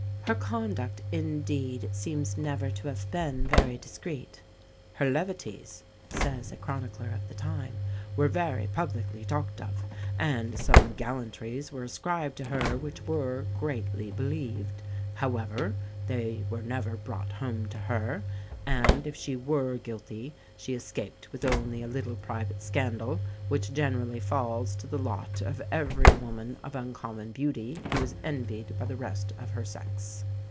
Her conduct, indeed, seems never to have been very discreet. "Her levities," says a chronicler of the time, "were very publicly talked of, and some gallantries were ascribed to her which were greatly believed. However, they were never brought home to her; and, if she were guilty, she escaped with only a little private scandal, which generally falls to the lot of every woman of uncommon beauty who is envied by the rest of her sex."